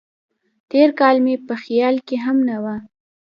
تېر کال مې په خیال کې هم نه و.